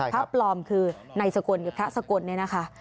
พระปลอมคือนายศกลคือพระศกลนี้นะคะ